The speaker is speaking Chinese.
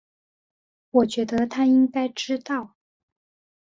我觉得他应该知道